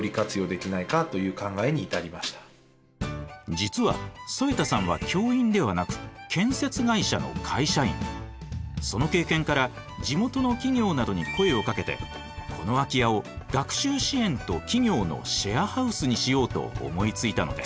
実は添田さんはその経験から地元の企業などに声をかけてこの空き家を学習支援と企業のシェアハウスにしようと思いついたのです。